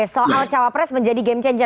soal cawapres menjadi game changer